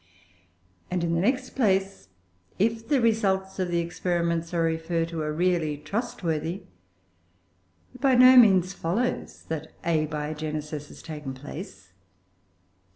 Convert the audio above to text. And in the next place, if the results of the experiments I refer to are really trustworthy, it by no means follows that Abiogenesis has taken place.